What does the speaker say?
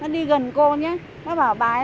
đây cháu gửi